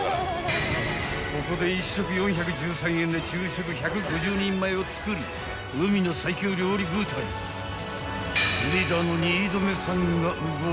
［ここで１食４１３円で昼食１５０人前を作る海の最強料理部隊リーダーの新留さんが動く］